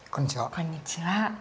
こんにちは。